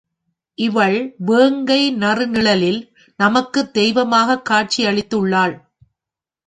இவள் வேங்கை நறுநிழலில் நமக்குத் தெய்வமாகக் காட்சி அளித்து உள்ளாள்.